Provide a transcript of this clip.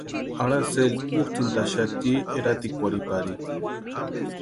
Aracely útsʼïntaxati eratikwarhiparini.